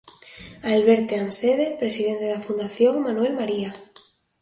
Alberte Ansede, presidente da Fundación Manuel María.